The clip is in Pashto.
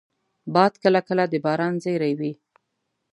باد کله کله د باران زېری وي